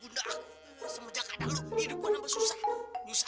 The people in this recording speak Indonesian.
langit ungit tanggit undut undut tanggut